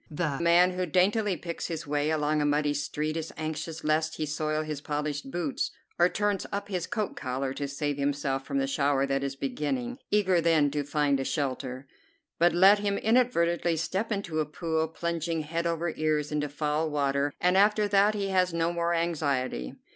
The man who daintily picks his way along a muddy street is anxious lest he soil his polished boots, or turns up his coat collar to save himself from the shower that is beginning, eager then to find a shelter; but let him inadvertently step into a pool, plunging head over ears into foul water, and after that he has no more anxiety.